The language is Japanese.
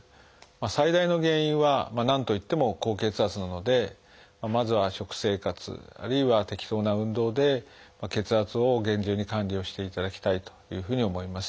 最大の原因は何といっても高血圧なのでまずは食生活あるいは適当な運動で血圧を厳重に管理をしていただきたいというふうに思います。